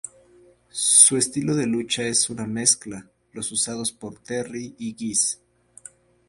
Su estilo de lucha es una mezcla los usados por Terry y Geese.